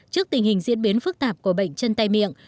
trước tình hình diễn biến phức tạp của bệnh chân tay miệng